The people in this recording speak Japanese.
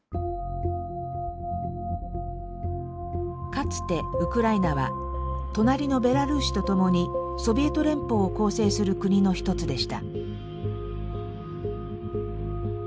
かつてウクライナは隣のベラルーシとともにソビエト連邦を構成する国の１つでした。